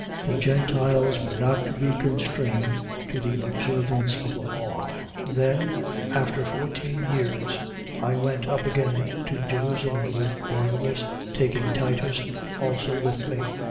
The Gentiles were not to be constrained to the observance of the law. 2:1. Then, after fourteen years, I went up again to Jerusalem with Barnabas, taking Titus also with me.